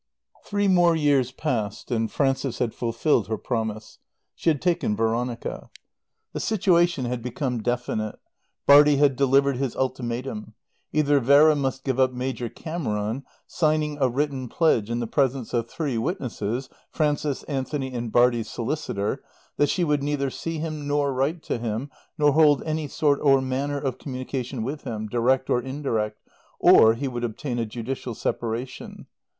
X Three more years passed and Frances had fulfilled her promise. She had taken Veronica. The situation had become definite. Bartie had delivered his ultimatum. Either Vera must give up Major Cameron, signing a written pledge in the presence of three witnesses, Frances, Anthony and Bartie's solicitor, that she would neither see him nor write to him, nor hold any sort or manner of communication with him, direct or indirect, or he would obtain a judicial separation.